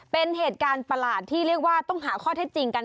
เป็นเหตุการณ์ประหลาดที่เรียกว่าต้องหาข้อเท็จจริงกัน